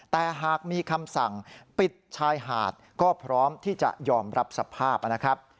แต่หากมีคำสั่งปิดชายหาดก็พร้อมที่จะยอมรับสภาพนะครับ